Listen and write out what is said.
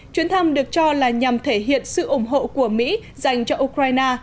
chuyến thăm được cho là nhằm thể hiện sự ủng hộ của mỹ dành cho ukraine